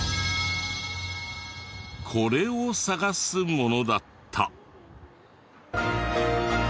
これを探すものだった。